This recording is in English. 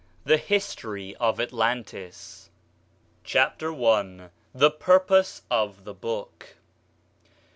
THE HISTORY OF ATLANTIS. CHAPTER I. THE PURPOSE OF THE BOOK.